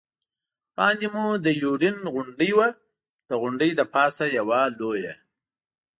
وړاندې مو د یوډین غونډۍ وه، د غونډۍ له پاسه یوه لویه.